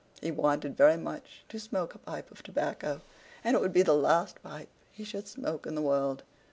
He wanted very much to smoke a pipe of tobacco, and it would be the last pipe he should smoke in the world.